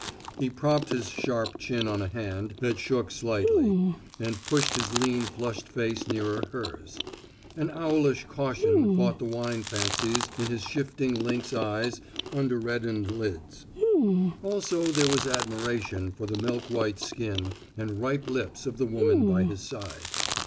He propped his sharp chin on a hand that shook slightly, and pushed his lean flushed face nearer hers. An owlish caution fought the wine fancies in his shifting lynx eyes under reddened lids; also there was admiration for the milk white skin and ripe lips of the woman by his side.